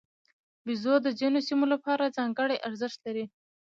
بیزو د ځینو سیمو لپاره ځانګړی ارزښت لري.